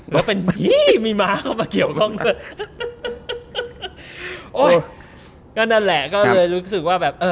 แล้วกลางเป็นงี้มีม้าเข้ามาเขี่ยวให้ไม่มีทราบ